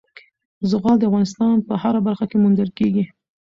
زغال د افغانستان په هره برخه کې موندل کېږي.